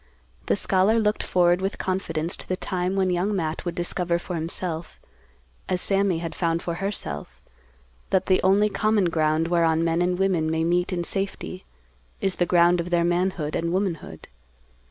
The scholar looked forward with confidence to the time when young Matt would discover for himself, as Sammy had found for herself, that the only common ground whereon men and women may meet in safety is the ground of their manhood and womanhood.